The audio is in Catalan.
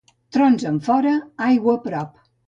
Trons enfora, aigua a prop.